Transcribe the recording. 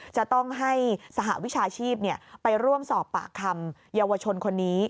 จะต้องให้สหวิชาชีพไปร่วมสอบปากคำเยาวชนคนนี้